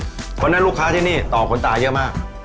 เพราะฉะนั้นลูกค้าที่นี่ต่อขนตาเยอะมาก